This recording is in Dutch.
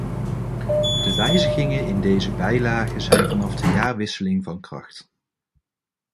De wijzigingen in deze bijlagen zijn vanaf de jaarwisseling van kracht.